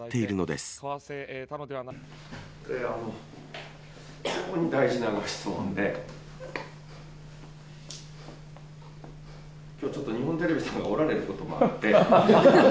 それは非常に大事なご質問で、きょうちょっと日本テレビさんがおられることもあって。